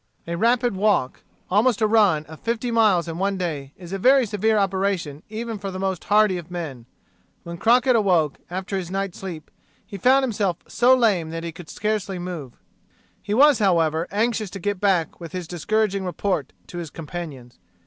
A rapid walk, almost a run, of fifty miles in one day, is a very severe operation even for the most hardy of men. When Crockett awoke, after his night's sleep, he found himself so lame that he could scarcely move. He was, however, anxious to get back with his discouraging report to his companions.